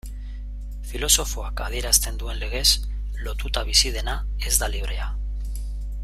Filosofoak adierazten duen legez, lotuta bizi dena ez da librea.